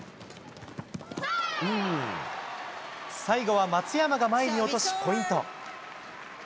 最後は松山が前に落としポイント。